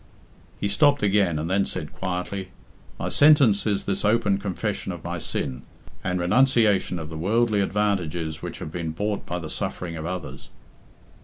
He stopped again, and then said quietly, "My sentence is this open confession of my sin, and renunciation of the worldly advantages which have been bought by the suffering of others."